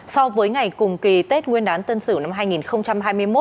so với ngày cùng kỳ tết nguyên đán tân sửu năm hai nghìn hai mươi một